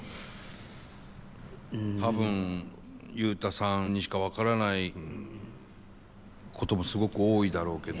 多分ユウタさんにしか分からないこともすごく多いだろうけど。